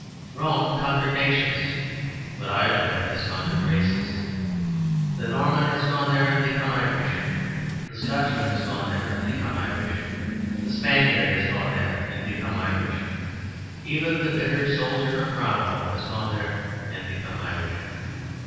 Rome conquered nations, but Ireland has conquered races. The Norman has gone there and become Irish, the Scotchman has gone there and become Irish, the Spaniard has gone there and become Irish, even the bitter soldier of Cromwell has gone there and become Irish.